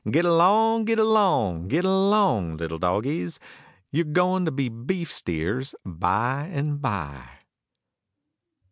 Git along, git along, git along little dogies You're going to be beef steers by and by.